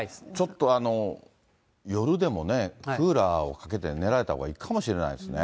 ちょっと夜でもね、クーラーをかけて寝られたほうがいいかもしれないですね。